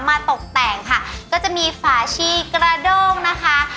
ตกแต่งค่ะก็จะมีฝาชีกระโด้งนะคะ